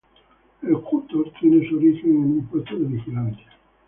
El "jútor" tiene su origen en un puesto de vigilancia.